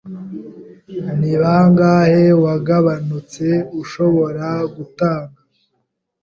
Ni bangahe wagabanutse ushobora gutanga?